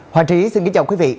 hoàng trí xin kính chào quý vị